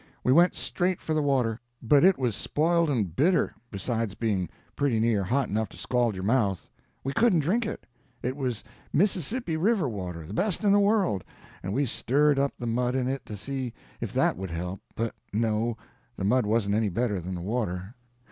We went straight for the water, but it was spoiled and bitter, besides being pretty near hot enough to scald your mouth. We couldn't drink it. It was Mississippi river water, the best in the world, and we stirred up the mud in it to see if that would help, but no, the mud wasn't any better than the water.